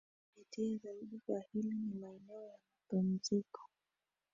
Kuvutia zaidi kwa hili ni maeneo ya mapumziko